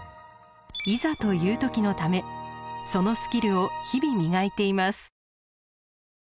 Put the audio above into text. いざという時のためそのスキルを日々磨いています。